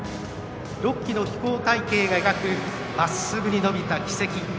６機の飛行隊形が描くまっすぐに伸びた軌跡。